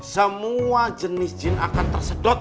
semua jenis jin akan tersedot